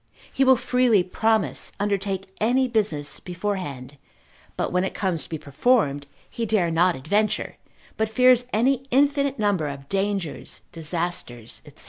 He will freely promise, undertake any business beforehand, but when it comes to be performed, he dare not adventure, but fears an infinite number of dangers, disasters, &c.